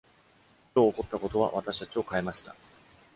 今日起こったことは私たちを変えました。